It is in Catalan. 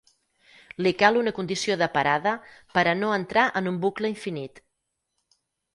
Li cal una condició de parada per a no entrar en un bucle infinit.